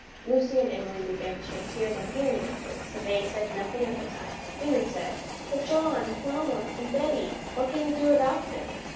Lucy and Emily began to shed tears on hearing of this, but they said nothing at that time. Henry said: "But John, mamma, and Betty what can we do without them?"